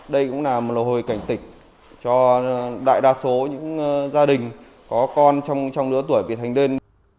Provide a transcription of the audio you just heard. đây cũng là một lầu hồi cảnh tịch cho đại đa số những gia đình có con trong lứa tuổi vị thành niên